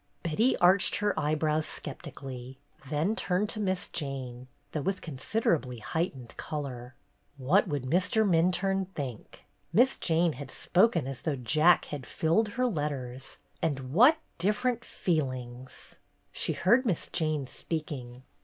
Betty arched her eyebrows sceptically, then turned to Miss Jane, though with consider ably heightened color. What would Mr. Minturne think? Miss Jane had spoken as though Jack had filled her letters, and what different feelings — She heard Miss Jane speaking.